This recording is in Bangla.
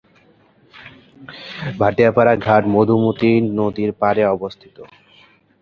ভাটিয়াপাড়া ঘাট মধুমতি নদীর পাড়ে অবস্থিত।